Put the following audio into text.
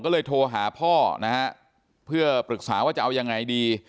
ก็เลยโทรหาพ่อนะฮะเพื่อปรึกษาว่าจะเอายังไงดี